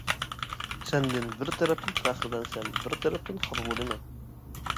سەندىن بىر تەرەپتىن پەخىرلەنسەم بىر تەرەپتىن خاپا بولىمەن.